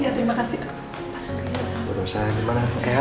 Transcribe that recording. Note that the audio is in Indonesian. iya terima kasih pak surya